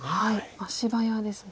足早ですね。